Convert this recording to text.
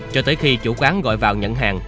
cho tới khi chủ quán gọi vào nhận hàng